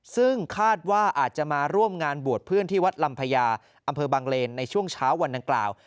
ซึ่งคาดว่าอาจจะมาร่วมงานบวชเพื่อนที่วัดลำพญาอำเภอบังเลนในช่วงเช้าวันดังกล่าว